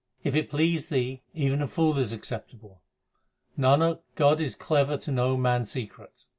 If it please Thee, even a fool is acceptable. Nanak, God is clever to know man s secret.